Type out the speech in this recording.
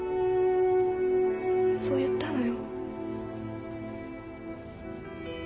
そう言ったのよ。